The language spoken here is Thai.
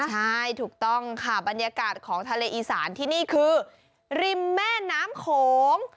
ใช่ถูกต้องค่ะบรรยากาศของทะเลอีสานที่นี่คือริมแม่น้ำโขง